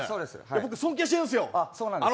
尊敬してるんです。